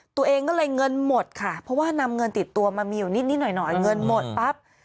ตัวเองก็เลยเงินหมดค่ะเพราะว่านำเงินติดตัวมามีอยู่นิดหน่อยเงินหมดปั๊บ